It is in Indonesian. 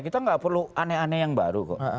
kita nggak perlu aneh aneh yang baru kok